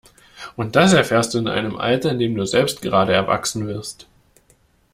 Und das erfährst du in einem Alter, in dem du selbst gerade erwachsen wirst.